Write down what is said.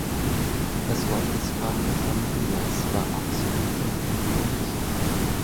Das Wort des "pater familias" war absolut und endgültig.